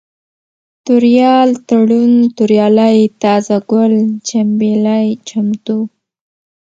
توريال ، تړون ، توريالی ، تازه گل ، چمبېلى ، چمتو